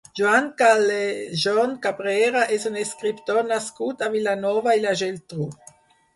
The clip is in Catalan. Joan Callejón Cabrera és un escriptor nascut a Vilanova i la Geltrú.